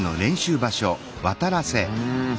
うん。